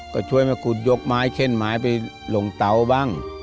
ก็ช่วยมาขุดยกไม้เช่นไม้ไปลงเตาบ้าง